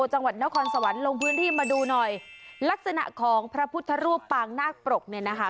จังหวัดนครสวรรค์ลงพื้นที่มาดูหน่อยลักษณะของพระพุทธรูปปางนาคปรกเนี่ยนะคะ